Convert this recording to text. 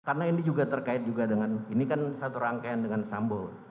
karena ini juga terkait dengan ini kan satu rangkaian dengan sambo